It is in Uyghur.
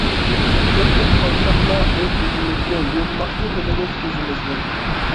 ئۇچرىتىپ قالساقلا ئۆز-ئۆزىمىزنى، يۇمماقچى بولىمىز كۆزىمىزنى.